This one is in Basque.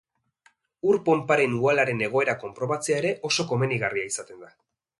Ur-ponparen uhalaren egoera konprobatzea ere oso komenigarria izaten da.